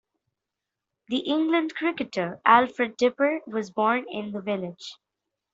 The England cricketer Alfred Dipper was born in the village.